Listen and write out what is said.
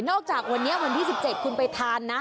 จากวันนี้วันที่๑๗คุณไปทานนะ